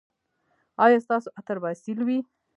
ایا ستاسو عطر به اصیل وي؟